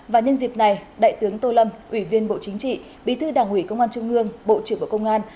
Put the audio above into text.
và nhân dịp này đại tướng tô lâm ủy viên bộ chính trị bí thư đảng ủy công an trung ương bộ trưởng bộ công an